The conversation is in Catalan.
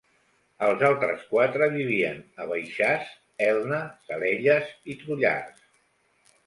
Els altres quatre vivien a Baixàs, Elna, Salelles i Trullars.